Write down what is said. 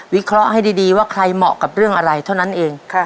เคราะห์ให้ดีว่าใครเหมาะกับเรื่องอะไรเท่านั้นเอง